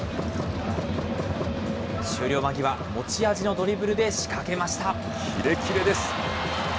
終了間際、持ち味のドリブルで仕掛けました。